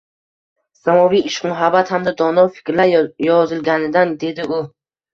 Samoviy ishq-muhabbat hamda dono fikrlar yozilganidan, dedi u